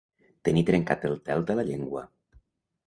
Tenir trencat el tel de la llengua.